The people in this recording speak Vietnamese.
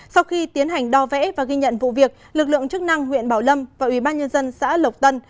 sau khi tiến hành đo vẽ và ghi nhận vụ việc lực lượng chức năng huyện bảo lâm và ubnd xã lộc tân